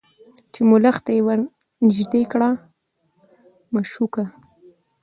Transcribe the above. چي ملخ ته یې نیژدې کړله مشوکه